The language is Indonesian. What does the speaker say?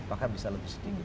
bahkan bisa lebih sedikit